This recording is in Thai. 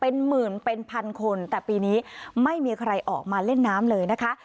เป็นหมื่นเป็นพันคนแต่ปีนี้ไม่มีใครออกมาเล่นน้ำเลยนะคะ